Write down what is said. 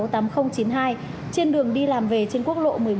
trên đường đi làm về trên quốc lộ